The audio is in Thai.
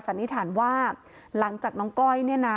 สันนิษฐานว่าหลังจากน้องก้อยเนี่ยนะ